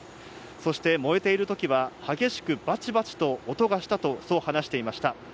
そして燃えている時は激しくバチバチと音がしたと、そう話していました。